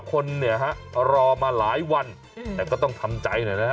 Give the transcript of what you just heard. คนเนี่ยฮะรอมาหลายวันแต่ก็ต้องทำใจหน่อยนะฮะ